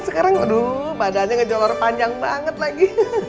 sekarang badannya ngejelor panjang banget lagi